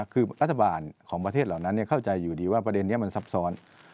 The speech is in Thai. คือรัฐบาลของประเทศเหล่านั้นเข้าใจอยู่ดีว่าประเด็นนี้มันซับซ้อน